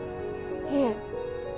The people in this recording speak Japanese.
いえ。